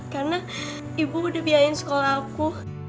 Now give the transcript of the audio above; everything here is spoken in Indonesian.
karena ibu udah biayain sekolah aku